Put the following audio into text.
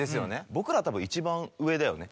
僕ら多分一番上だよね